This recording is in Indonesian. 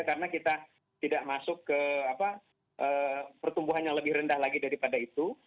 karena kita tidak masuk ke pertumbuhan yang lebih rendah lagi daripada itu